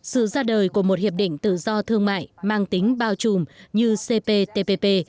sự ra đời của một hiệp định tự do thương mại mang tính bao trùm như cptpp